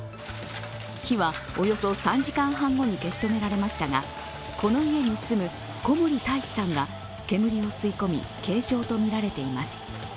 火はおよそ３時間半後に消し止められましたが、この家に住む古守泰士さんが煙を吸い込み軽傷とみられています。